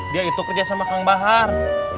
dia itu kerja sama kang bahar